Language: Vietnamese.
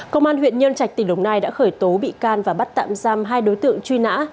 công an huyện nhân trạch tỉnh đồng nai đã khởi tố bị can và bắt tạm giam hai đối tượng truy nã